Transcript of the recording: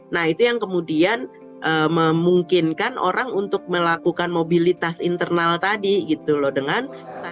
nah itu yang kemudian memungkinkan orang untuk melakukan mobilitas internal tadi gitu loh dengan